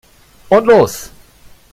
Und los!